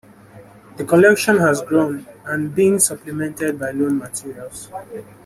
The collection has grown and been supplemented by loan materials.